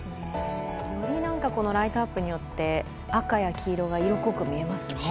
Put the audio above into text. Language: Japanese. より、ライトアップによって赤や黄色が色濃く見えますよね。